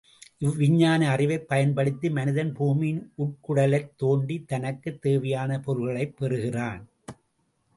இவ்விஞ்ஞான அறிவைப் பயன்படுத்தி மனிதன் பூமியின் உட்குடலைத் தோண்டித் தனக்குத் தேவையான பொருள்களைப் பெறுகிறான்.